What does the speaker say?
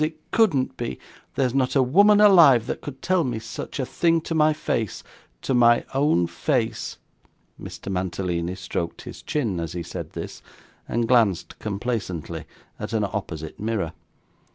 It couldn't be. There's not a woman alive, that could tell me such a thing to my face to my own face.' Mr. Mantalini stroked his chin, as he said this, and glanced complacently at an opposite mirror.